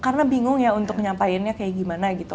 karena bingung ya untuk nyampaikan kayak gimana gitu